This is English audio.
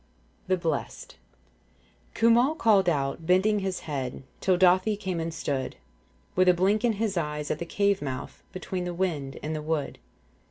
44 THE BLESSED CUMHAL called out, bending his head, Till Dathi came and stood, With a blink in his eyes at the cave mouth. Between the wind and the wood.